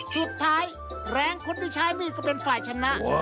สุดท้ายแรงคนที่ใช้มีดก็เป็นฝ่ายชนะ